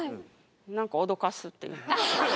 何か脅かすっていう。